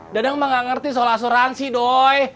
dadang mah gak ngerti soal asuransi doy